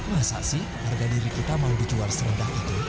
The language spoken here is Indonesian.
masa sih harga diri kita mau dijual serendah itu